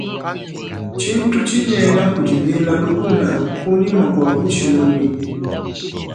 Tshintu tshinyenga kudi bena lukuna kunyima kua butshimunyi.